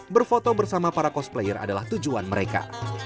berfoto bersama para cosplayer adalah tujuan mereka